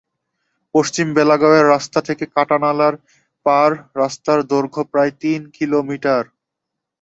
পশ্চিম বেলাগাঁওয়ের রাস্তা থেকে কাটানালার পাড় রাস্তার দৈর্ঘ্য প্রায় তিন কিলোমিটার।